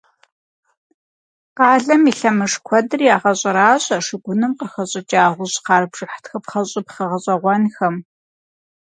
Къалэм и лъэмыж куэдыр ягъэщӀэращӀэ шыгуным къыхэщӀыкӀа гъущӀхъар бжыхь тхыпхъэщӀыпхъэ гъэщӀэгъуэнхэм.